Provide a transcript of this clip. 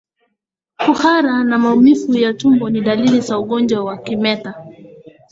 Kuhara na maumivu ya tumbo ni dalili za ugonjwa wa kimeta